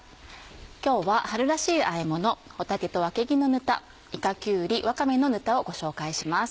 今日は春らしいあえ物「帆立とわけぎのぬた」「いかきゅうりわかめのぬた」をご紹介します。